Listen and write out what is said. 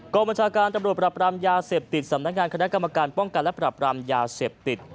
บัญชาการตำรวจปรับรามยาเสพติดสำนักงานคณะกรรมการป้องกันและปรับรามยาเสพติด